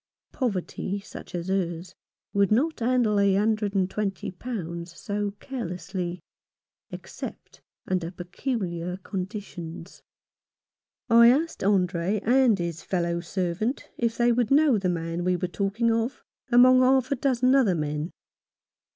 Poverty such as hers would not handle a hundred and twenty pounds so carelessly, except under peculiar conditions. I asked Andre and his fellow servant if they would know the man we were talking of among half a dozen other men.